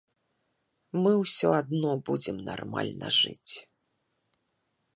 Мы ўсё адно будзем нармальна жыць.